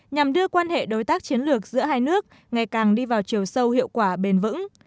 nhằm đưa quan hệ đối tác chiến lược giữa hai nước ngày càng đi vào chiều sâu hiệu quả bền vững